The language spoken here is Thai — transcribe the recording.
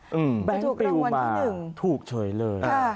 จะถูกรวมรวมที่๑แบงค์ปลูกมาถูกเฉยเลย